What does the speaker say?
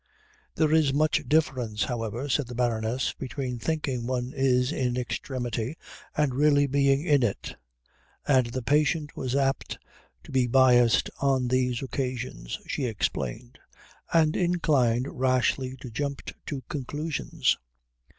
"There is much difference, however," said the Baroness, "between thinking one is in extremity and really being in it," and the patient was apt to be biassed on these occasions, she explained, and inclined rashly to jump to conclusions.